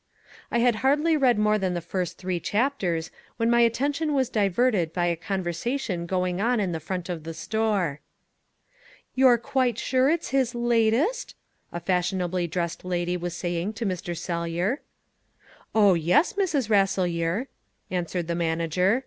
I had hardly read more than the first three chapters when my attention was diverted by a conversation going on in the front of the store. "You're quite sure it's his LATEST?" a fashionably dressed lady was saying to Mr. Sellyer. "Oh, yes, Mrs. Rasselyer," answered the manager.